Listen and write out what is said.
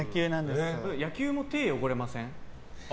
野球も手が汚れません？